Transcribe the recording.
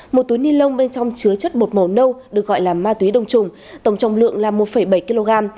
một túi ni lông bên trong chứa chất bột màu nâu được gọi là ma túy đông trùng tổng trọng lượng là một bảy kg